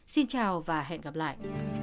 xin chào và hẹn gặp lại